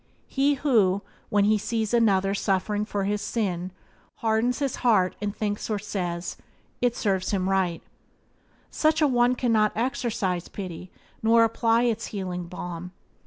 He who, when he sees another suffering for his sin, hardens his heart and thinks or says: "It serves him right" — such a one cannot exercise pity nor apply its healing balm.